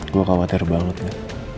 gue khawatir banget ya